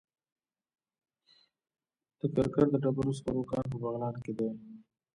د کرکر د ډبرو سکرو کان په بغلان کې دی